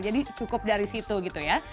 jadi cukup dari situ gitu ya